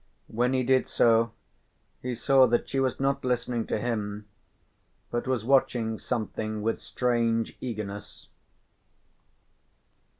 When he did so he saw that she was not listening to him, but was watching something with strange eagerness.